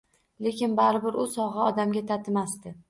Lekin baribir u sovg‘a odamga tatimasdi